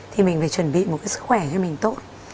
thì mình phải chuẩn bị một cái sức khỏe cho mình tốt